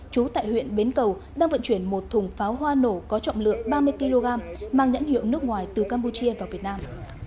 chú tại huyện bến cầu đang vận chuyển một thùng pháo hoa nổ có trọng lượng ba mươi kg mang nhãn hiệu nước ngoài từ campuchia vào việt nam